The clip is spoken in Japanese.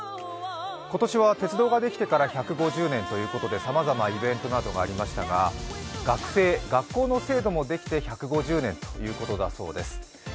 今年は鉄道ができてから１５０年ということでさまざまイベントなどがありましたが学制、学校の制度もできて１５０年ということだそうです。